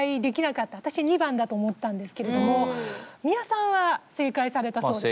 私２番だと思ったんですけれども三輪さんは正解されたそうですね。